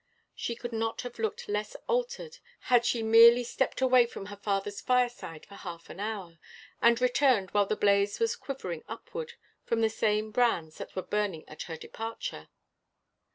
She could not have looked less altered had she merely stepped away from her father's fireside for half an hour, and returned while the blaze was quivering upward from the same brands that were burning at her departure.